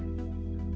berapa bulan lagi